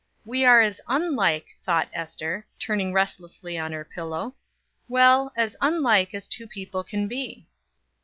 "We are as unlike," thought Ester, turning restlessly on her pillow. "Well, as unlike as two people can be."